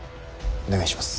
お願いします。